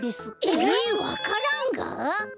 ええっわか蘭が。